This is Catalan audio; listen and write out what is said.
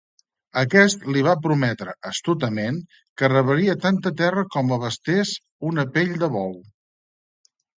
Aquest li va prometre, astutament, que rebria tanta terra com abastés una pell de bou.